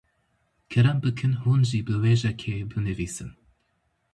Kerem bikin hûn jî biwêjekê binivîsin.